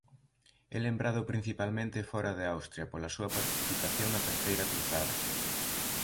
É lembrado principalmente fóra de Austria pola súa participación na terceira cruzada.